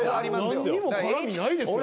何にも絡みないですよ。